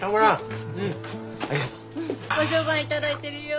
ご相伴頂いてるよ。